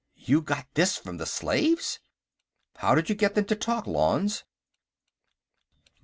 "You got this from the slaves? How did you get them to talk, Lanze?"